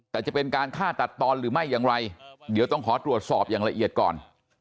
แต่จะเป็นการฆ่าตัดตอนหรือไม่อย่างไรเดี๋ยวต้องขอตรวจสอบอย่างละเอียดก่อน